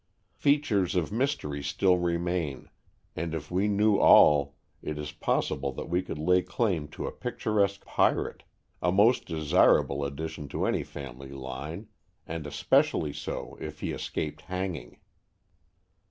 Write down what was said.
Features of mystery still remain, and if we knew all, it is possible that we could lay claim to a picturesque pirate a most desirable addition to any family line, and especially so if he escaped hanging.